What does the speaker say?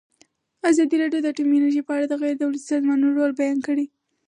ازادي راډیو د اټومي انرژي په اړه د غیر دولتي سازمانونو رول بیان کړی.